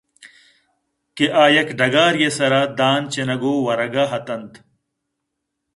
کہ آیک ڈگارے ءِ سرا دان چنگ ءُ وَرَگ ءَ اَتنت